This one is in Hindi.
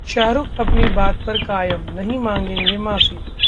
शाहरुख अपनी बात पर कायम, नहीं मांगेंगे माफी